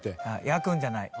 焼くんじゃない。